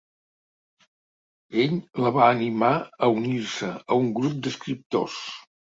Ell la va animar a unir-se a un grup d’escriptors.